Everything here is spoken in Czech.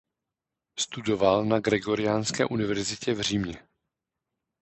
Studoval na Gregoriánské univerzitě v Římě.